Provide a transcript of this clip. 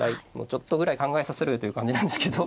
ちょっとぐらい考えさせろよという感じなんですけど。